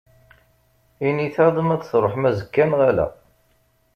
Init-aɣ-d ma ad d-truḥem azekka neɣ ala.